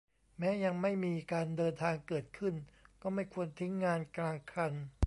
แม้ยังไม่มีการเดินทางเกิดขึ้นก็ไม่ควรทิ้งงานกลางคัน